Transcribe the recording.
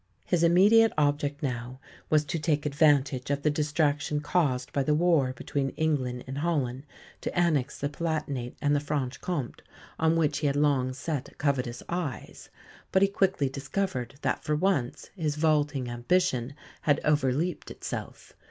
His immediate object now was to take advantage of the distraction caused by the war between England and Holland to annex the Palatinate and the Franche Comté, on which he had long set covetous eyes; but he quickly discovered that for once his vaulting ambition had overleaped itself.